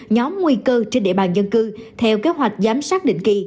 nhóm nguy cơ trên địa bàn dân cư theo kế hoạch giám sát định kỳ